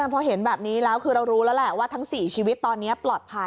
พอเห็นแบบนี้แล้วคือเรารู้แล้วแหละว่าทั้ง๔ชีวิตตอนนี้ปลอดภัย